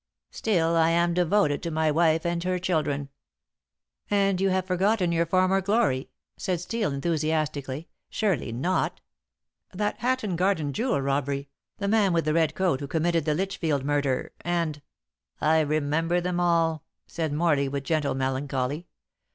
Still, I am devoted to my wife and her children." "And you have forgotten your former glory," said Steel enthusiastically; "surely not. That Hatton Garden jewel robbery, the man with the red coat who committed the Lichfield murder, and " "I remember them all," said Morley, with gentle melancholy.